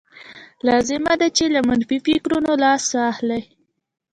لازمه ده چې له منفي فکرونو لاس واخلئ.